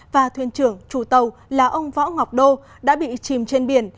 và thuyền trưởng chủ tàu là ông võ ngọc đô đã bị chìm trên biển